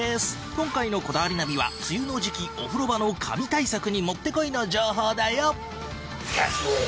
今回の『こだわりナビ』は梅雨の時期お風呂場のカビ対策にもってこいの情報だよ！